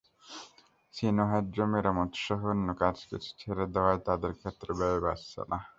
Sinohydro মেরামতসহ অন্য কিছু কাজ ছেড়ে দেওয়ায় তাদের ক্ষেত্রে ব্যয় বাড়ছে না।